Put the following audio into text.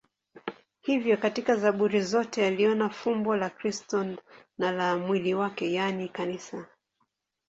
Hivyo katika Zaburi zote aliona fumbo la Kristo na la mwili wake, yaani Kanisa.